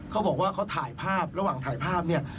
เขาบอกว่าเขาถ่ายภาพระหว่างถ่ายภาพเนี่ย